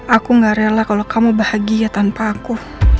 aku gak rela kalau kamu bahagia tanpa aku